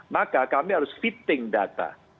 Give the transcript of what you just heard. maka kami harus fitting data